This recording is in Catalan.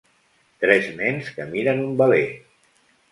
Tres nens que miren un veler.